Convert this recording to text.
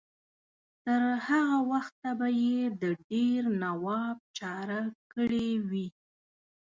تر هغه وخته به یې د دیر نواب چاره کړې وي.